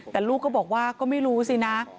แต่ลูกก็บอกว่าก็ไม่รู้สินะ